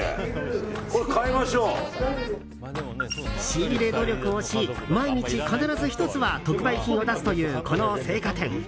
仕入れ努力をし毎日必ず１つは特売品を出すというこの青果店。